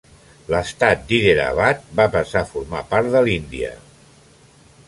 L'estat d'Hyderabad va passar a formar part de l'Índia.